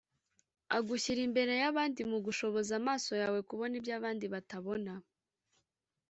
Agushyira imbere y’abandi mu gushoboza amaso yawe kubona ibyo abandi batabona